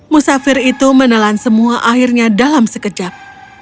musafir itu menelan semua airnya dalam sekejap